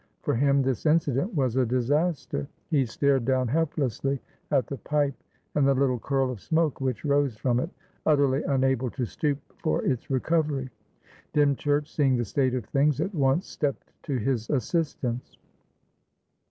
For him this incident was a disaster; he stared down helplessly at the pipe and the little curl of smoke which rose from it, utterly unable to stoop for its recovery. Dymchurch, seeing the state of things, at once stepped to his assistance.